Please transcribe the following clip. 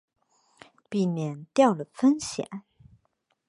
避免掉了风险